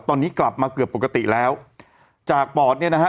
ตอนนี้กลับมาเกือบปกติแล้วจากปอดเนี่ยนะฮะ